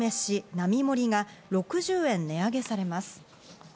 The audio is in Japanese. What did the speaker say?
並盛りが６０円値上げされます。